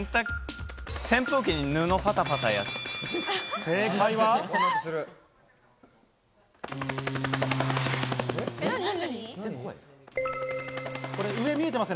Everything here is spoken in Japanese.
扇風機に布をパタパタやっている。